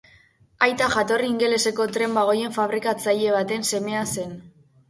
Aita jatorri ingeleseko tren-bagoien fabrikatzaile baten semea zen.